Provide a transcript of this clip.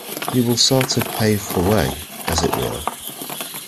You will sort of pave the way, as it were.